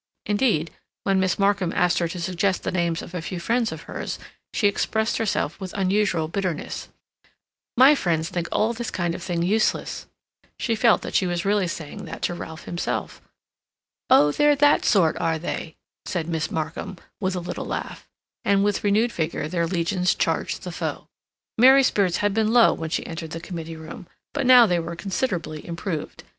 Indeed, when Miss Markham asked her to suggest the names of a few friends of hers, she expressed herself with unusual bitterness: "My friends think all this kind of thing useless." She felt that she was really saying that to Ralph himself. "Oh, they're that sort, are they?" said Miss Markham, with a little laugh; and with renewed vigor their legions charged the foe. Mary's spirits had been low when she entered the committee room; but now they were considerably improved.